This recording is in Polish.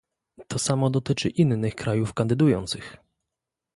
To samo dotyczy innych krajów kandydujących